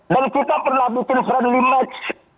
kita pernah bikin friendly match